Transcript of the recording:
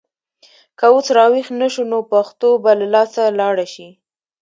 که اوس راویښ نه شو نو پښتو به له لاسه لاړه شي.